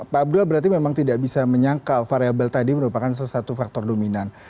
pak abdullah berarti memang tidak bisa menyangkal variable tadi merupakan salah satu faktor dominan